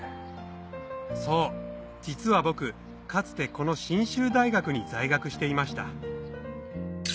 そう実は僕かつてこの信州大学に在学していました